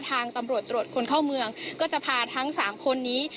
ทางตำรวจตรวจคนเข้าเมืองก็จะพาทั้ง๓คนนี้